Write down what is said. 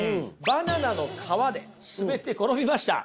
バナナの皮で滑って転びました。